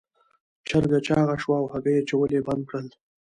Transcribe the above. چرګه چاغه شوه او هګۍ اچول یې بند کړل.